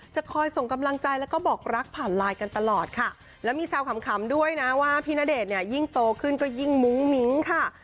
จะคอยส่งกำลังใจแล้วก็บอกรักผ่านไลน์กันตลอดค่ะแล้วมีแซวขำด้วยนะว่าพี่ณเดชน์เนี่ยยิ่งโตขึ้นก็ยิ่งมุ้งมิ้งค่ะ